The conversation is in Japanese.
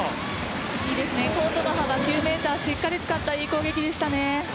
いいですねコートの幅９ｍをしっかり使ったいい攻撃でしたね。